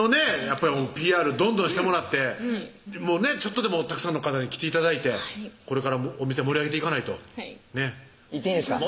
やっぱりＰＲどんどんしてもらってちょっとでもたくさんの方に来て頂いてこれからもお店盛り上げていかないと言っていいんですか？